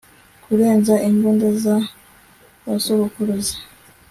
kurenza imbunda za basokuruza